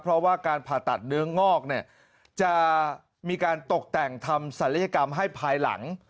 เพราะว่าการผ่าตัดเนื้องอกเนี่ยจะมีการตกแต่งทำศัลยกรรมให้ภายหลัง